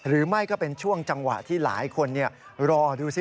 หรือไม่ก็เป็นช่วงจังหวะที่หลายคนรอดูสิ